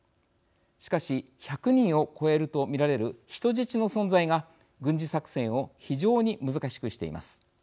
しかし、１００人を超えると見られる人質の存在が軍事作戦を非常に難しくしています。